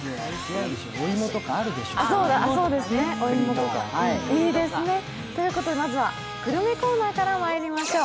お芋とかあるでしょ、栗とか。ということで、まずは、グルメコーナーからまいりましょう。